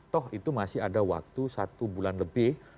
toh itu masih ada waktu satu bulan lebih